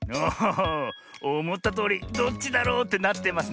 おおっおもったとおりどっちだろうってなってますね。